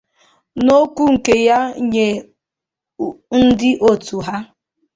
N'okwu nke ya nye ndị òtù ahụ